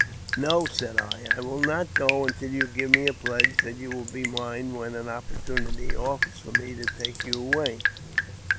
" No," said I, *' I will not go until you give me a pledge that you will be mine when an opportunity offers for me to take you away."